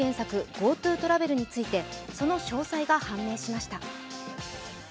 ＧｏＴｏトラベルについて、その詳細が判明しました。